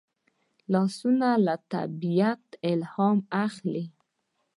لاسونه له طبیعته الهام اخلي